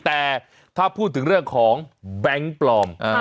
แต่ถ้าพูดถึงเรื่องของแบงค์ปลอม